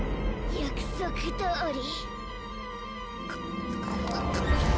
約束どおり！